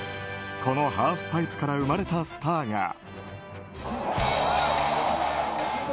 このハーフパイプから生まれたスターが。